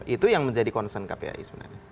itu yang menjadi concern kpai sebenarnya